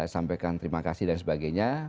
sampaikan terima kasih dan sebagainya